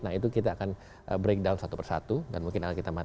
nah itu kita akan breakdown satu persatu dan mungkin akan kita makan